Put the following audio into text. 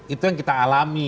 itu yang kita alami